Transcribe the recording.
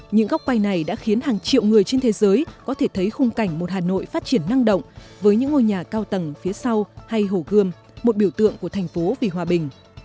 những góc quay này đã khiến hàng triệu người trên thế giới có thể thấy khung cảnh một hà nội phát triển năng động với những ngôi nhà cao tầng phía sau hay hồ gươm một biểu tượng của thành phố vì hòa bình